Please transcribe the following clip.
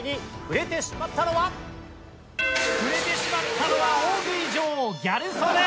ふれてしまったのは大食い女王ギャル曽根！